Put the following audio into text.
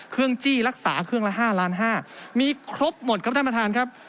จี้รักษาเครื่องละ๕ล้านห้ามีครบหมดครับท่านประธานครับ